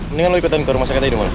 mendingan lo ikutin ke rumah sakit ini